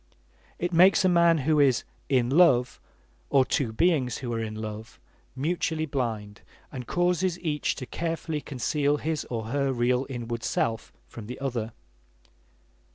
It makes a man who is "in love," or two beings who are in love, mutually blind, and causes each to carefully conceal his or her real inward self from the other.